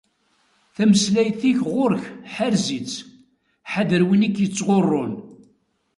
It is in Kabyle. Tameslayt-ik ɣur-k ḥrez-itt, ḥader win i k-yettɣurrun.